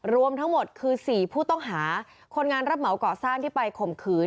รวมทั้งหมดคือ๔ผู้ต้องหาคนงานรับเหมาก่อสร้างที่ไปข่มขืน